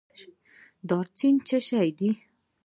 دارچینی څه شی دی؟